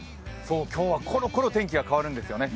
今日はころころ天気が変わるんですね。